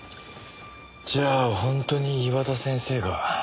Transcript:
じゃあ本当に岩田先生が。